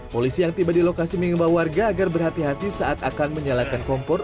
polisi yang tiba di lokasi mengimbau warga agar berhati hati saat akan menyalakan kompor